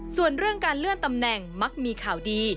ส่วนเรื่องการเลื่อนตำแหน่งมักมีข่าวดี